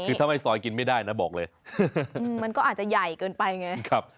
คือถ้าไม่ซอยกินไม่ได้นะบอกเลยมันก็อาจจะใหญ่เกินไปไง